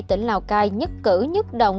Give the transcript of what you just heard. tỉnh lào cai nhất cử nhất động